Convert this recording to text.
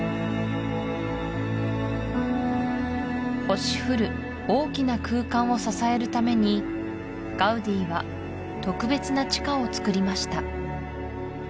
星降る大きな空間を支えるためにガウディは特別な地下をつくりました